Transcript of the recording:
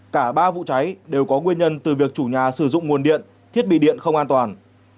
cả ba vụ cháy đều có nguyên nhân từ việc chủ nhà sử dụng nguồn điện thiết bị điện không an toàn